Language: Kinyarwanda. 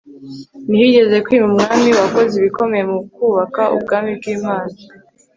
ntihigeze kwima umwami wakoze ibikomeye mu kubaka ubwami bw'imana